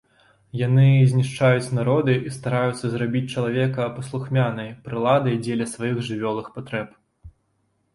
Яны знішчаюць народы і стараюцца зрабіць чалавека паслухмянай прыладай дзеля сваіх жывёльных патрэб.